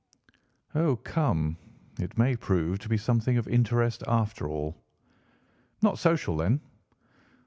"Oh, come, it may prove to be something of interest, after all." "Not social, then?"